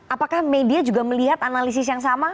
apakah media juga melihat analisis yang sama